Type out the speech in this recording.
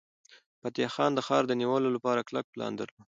فتح خان د ښار د نیولو لپاره کلک پلان درلود.